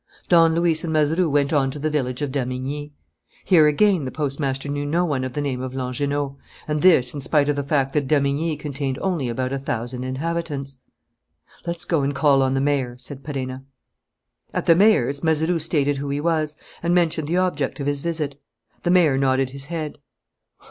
Don Luis and Mazeroux went on to the village of Damigni. Here again the postmaster knew no one of the name of Langernault; and this in spite of the fact that Damigni contained only about a thousand inhabitants. "Let's go and call on the mayor," said Perenna. At the mayor's Mazeroux stated who he was and mentioned the object of his visit. The mayor nodded his head.